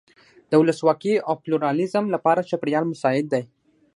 د ولسواکۍ او پلورالېزم لپاره چاپېریال مساعد دی.